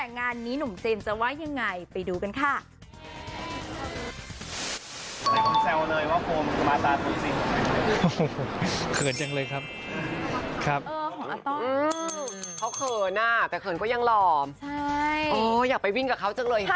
งานนี้หนุ่มเจนจะว่ายังไงไปดูกันค่ะ